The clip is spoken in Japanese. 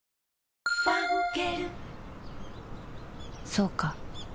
そうか